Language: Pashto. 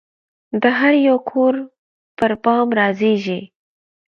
د هریو کور پربام رازیږې